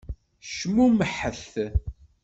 Cmumḥet!